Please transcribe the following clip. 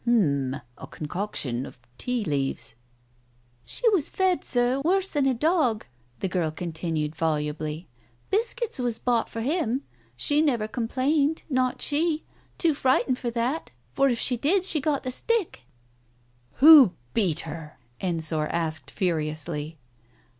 "H'm, a concoction of tea leaves. ..." 41 She was fed, Sir, worse than the dog," the girl con tinued volubly. "Biscuits was bought for him. She never complained, not she — too frightened for that, for if she did she got the stick "" Who beat her ?" Ensor asked, furiously.